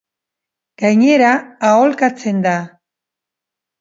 Gainera, aholkatzen da.